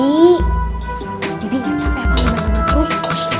bibi ga capek banget ngelewet terus